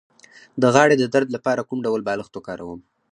د غاړې د درد لپاره کوم ډول بالښت وکاروم؟